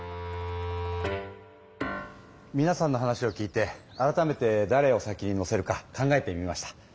みなさんの話を聞いて改めてだれを先に乗せるか考えてみました。